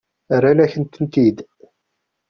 Rrant-akent-tent-id.